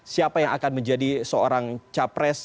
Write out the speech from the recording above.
siapa yang akan menjadi seorang capres